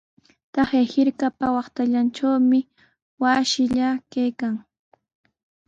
Taqay hirkapa waqtallantrawmi wasillaa kaykan.